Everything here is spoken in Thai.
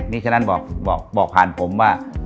นี่ฉะนั้นบอกผ่านผมว่า